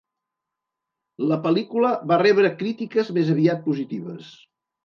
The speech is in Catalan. La pel·lícula va rebre crítiques més aviat positives.